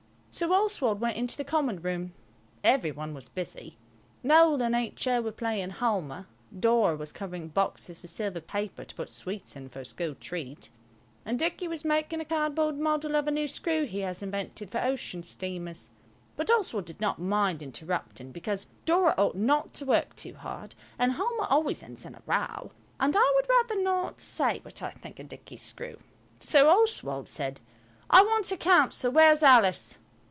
So Oswald went into the common room. Every one was busy. Noël and H.O. were playing Halma. Dora was covering boxes with silver paper to put sweets in for a school treat, and Dicky was making a cardboard model of a new screw he has invented for ocean steamers. But Oswald did not mind interrupting, because Dora ought not to work too hard, and Halma always ends in a row, and I would rather not say what I think of Dicky's screw. So Oswald said– "I want a council. Where's Alice?"